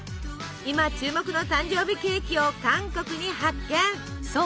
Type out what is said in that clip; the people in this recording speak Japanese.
今注目の誕生日ケーキを韓国に発見！